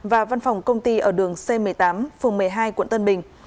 và văn phòng công ty ở đường c một mươi tám phường một mươi hai quận tân bình